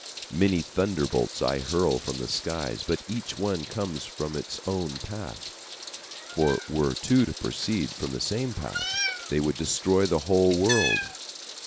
Many thunderbolts I hurl from the skies, but each one comes from its own path, for were two to proceed from the same path, they would destroy the whole world.